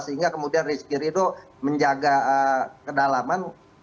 sehingga kemudian rizky ridho menjaga kedalaman